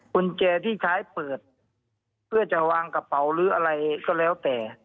กุญแจที่ใช้เปิดเพื่อจะวางกระเป๋าหรืออะไรก็แล้วแต่